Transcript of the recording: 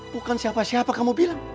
bukan siapa siapa kamu bilang